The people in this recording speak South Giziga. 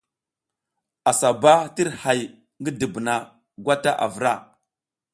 Assa ɓa tir hay ngi dubuna gwata a vra.